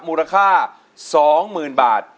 มูลค่า๒๐๐๐๐บาท